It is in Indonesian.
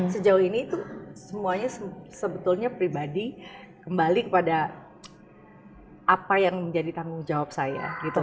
sejauh ini itu semuanya sebetulnya pribadi kembali kepada apa yang menjadi tanggung jawab saya gitu